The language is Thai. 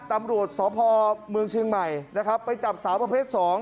ตำรวจสอบภอร์เมืองชิงใหม่ไปจับสาวประเภท๒